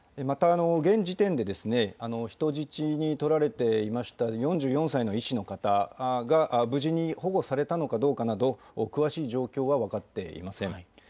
また現時点で、人質に取られていました４４歳の医師の方が、無事に保護されたのかどうかなど、詳しい状況は分かっていません。